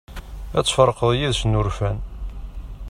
Ad tferqeḍ yid-sen urfan.